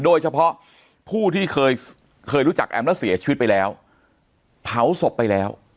โดยเฉพาะผู้ที่เคยเคยรู้จักแอมแล้วเสียชีวิตไปแล้วเผาศพไปแล้ว